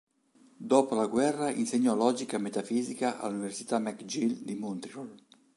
Dopo la guerra insegnò logica e metafisica all'Università McGill di Montréal.